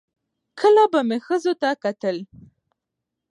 کله به مې ښځو ته کتل